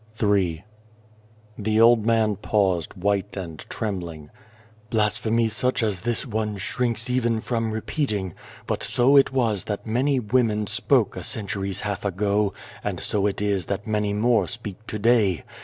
'" 260 Ill THE old man paused, white and trembling. " Blasphemy such as this one shrinks even from repeating, but so it was that many women spoke a century's half ago, and so it is that many more speak to day.